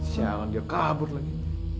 siang dia kabur lagi